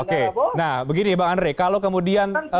oke nah begini bang andre kalau kemudian